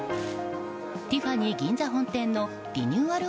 ティファニー銀座本店のリニューアル